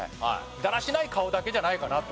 だらしない顔だけじゃないかなと。